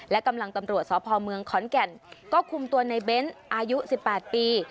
และกำลังตำรวจสพเมืองขอนแก่นก็คุมตัวในเบ้นอายุ๑๘ปี